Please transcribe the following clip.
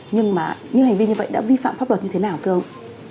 nhưng mà những hành vi như vậy đã vi phạm pháp luật như thế nào thưa ông